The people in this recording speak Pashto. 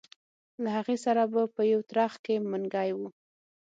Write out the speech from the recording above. له هغې سره به په یو ترخ کې منګی و.